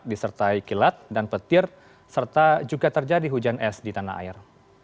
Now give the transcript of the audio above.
disertai kilat dan petir serta juga terjadi hujan es di tanah air